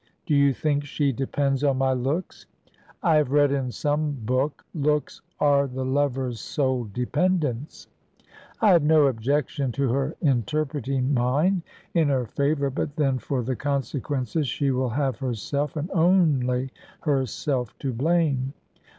"Do you think she depends on my looks?" "I have read in some book, Looks are the lover's sole dependence." "I have no objection to her interpreting mine in her favour; but then for the consequences she will have herself, and only herself, to blame."